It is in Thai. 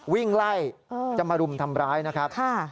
วิ่งไล่จะมารุมทำร้ายนะครับ